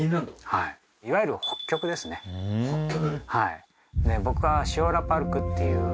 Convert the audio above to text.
はいいわゆる北極ですね北極？